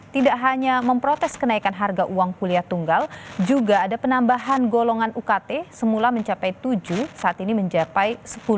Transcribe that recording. tidak hanya memprotes kenaikan harga uang kuliah tunggal juga ada penambahan golongan ukt semula mencapai tujuh saat ini mencapai sepuluh